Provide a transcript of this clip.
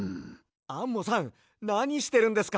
アンモさんなにしてるんですか？